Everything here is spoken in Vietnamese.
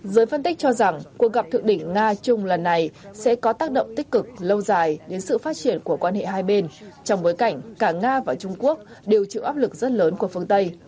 giới phân tích cho rằng cuộc gặp thượng đỉnh nga trung lần này sẽ có tác động tích cực lâu dài đến sự phát triển của quan hệ hai bên trong bối cảnh cả nga và trung quốc đều chịu áp lực rất lớn của phương tây